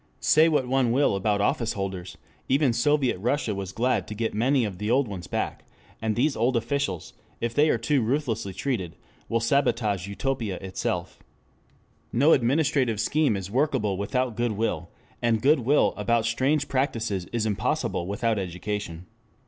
Say what one will about officeholders, even Soviet Russia was glad to get many of the old ones back; and these old officials, if they are too ruthlessly treated, will sabotage Utopia itself. No administrative scheme is workable without good will, and good will about strange practices is impossible without education.